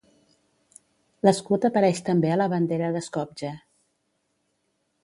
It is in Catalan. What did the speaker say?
L'escut apareix també a la bandera de Skopje.